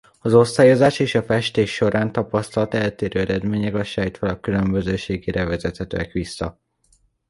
Az osztályozás és a festés során tapasztalt eltérő eredmények a sejtfalak különbözőségére vezethetőek vissza.